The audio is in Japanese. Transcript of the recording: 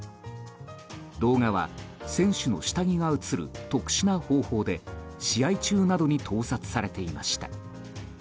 動画は選手の下着が映る特殊な方法で試合中などに盗撮されていました。